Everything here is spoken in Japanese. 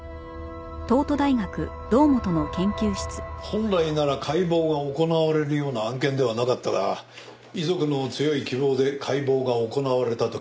本来なら解剖が行われるような案件ではなかったが遺族の強い希望で解剖が行われたと聞いている。